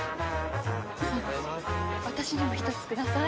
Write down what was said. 私にも１つください。